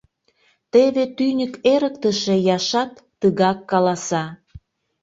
Теве тӱньык эрыктыше Яшат тыгак каласа...